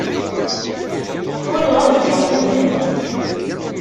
Ḥwajeɣ ad geɣ tamhelt.